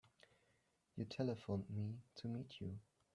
You telephoned me to meet you.